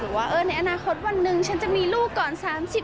หรือว่าเออในอนาคตวันนึงฉันจะมีลูกก่อน๓๐ปี